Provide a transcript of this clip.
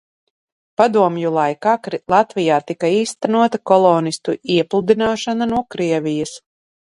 Padomju laikā, Latvijā tika īstenota kolonistu iepludināšana no Krievijas.